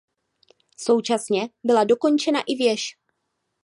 Současně byla dokončena i věž.